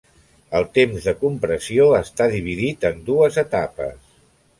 El temps de compressió està dividit en dues etapes.